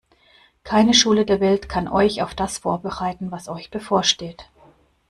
Keine Schule der Welt kann euch auf das vorbereiten, was euch bevorsteht.